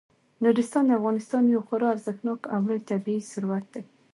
نورستان د افغانستان یو خورا ارزښتناک او لوی طبعي ثروت دی.